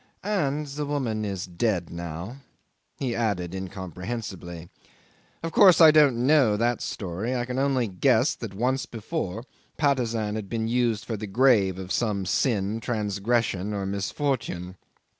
... "And the woman is dead now," he added incomprehensibly. 'Of course I don't know that story; I can only guess that once before Patusan had been used as a grave for some sin, transgression, or misfortune.